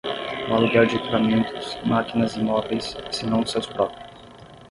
O aluguel de equipamentos, máquinas e móveis, se não os seus próprios.